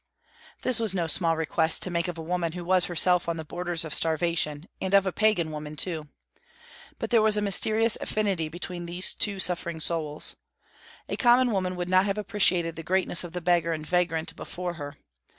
This was no small request to make of a woman who was herself on the borders of starvation, and of a pagan woman too. But there was a mysterious affinity between these two suffering souls. A common woman would not have appreciated the greatness of the beggar and vagrant before her.